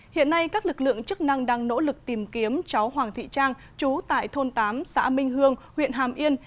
hiện nay các lực lượng chức năng đang nỗ lực tìm kiếm cháu hoàng thị trang chú tại thôn tám xã minh hương huyện hàm yên